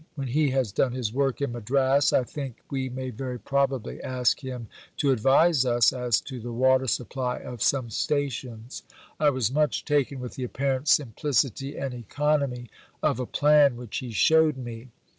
When he has done his work in Madras I think we may very probably ask him to advise us as to the water supply of some stations. I was much taken with the apparent simplicity and economy of a plan which he showed me.